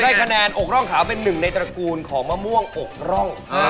คะแนนอกร่องขาวเป็นหนึ่งในตระกูลของมะม่วงอกร่อง